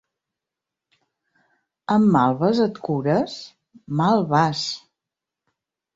Amb malves et cures?, mal vas.